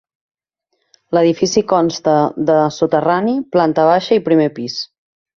L’edifici consta de soterrani, planta baixa i primer pis.